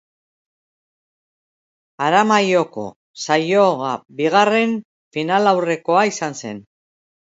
Aramaioko saioa bigarren finalaurrekoa izan zen.